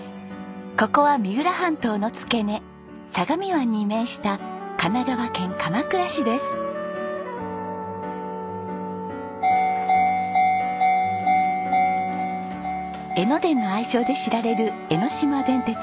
ここは三浦半島の付け根相模湾に面した「江ノ電」の愛称で知られる江ノ島電鉄。